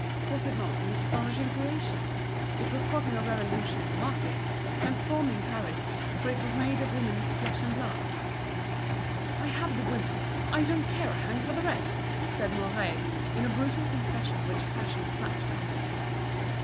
Was it not an astonishing creation? It was causing a revolution in the market, transforming Paris, for it was made of woman's flesh and blood. "I have the women, I don't care a hang for the rest!" said Mouret, in a brutal confession which passion snatched from him.